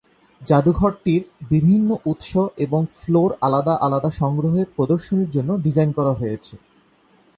জাদুঘরটির বিভিন্ন উৎস এবং ফ্লোর আলাদা আলাদা সংগ্রহের প্রদর্শনীর জন্য ডিজাইন করা হয়েছে।